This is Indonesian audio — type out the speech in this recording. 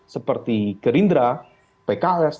seperti gerindra pks